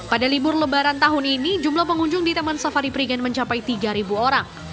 pada libur lebaran tahun ini jumlah pengunjung di taman safari prigen mencapai tiga orang